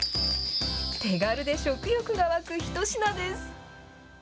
手軽で食欲が湧く一品です。